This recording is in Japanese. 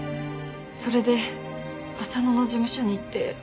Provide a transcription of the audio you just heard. それで浅野の事務所に行って驚きました。